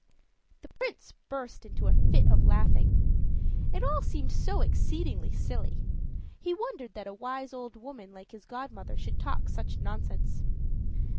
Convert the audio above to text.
The Prince burst into a fit of laughing. It all seemed so exceedingly silly; he wondered that a wise old woman like his godmother should talk such nonsense.